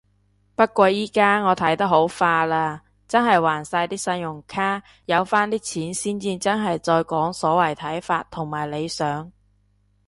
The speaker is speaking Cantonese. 不過依家我睇得好化啦，真係還晒啲信用卡。有返啲錢先至真係再講所謂睇法同理想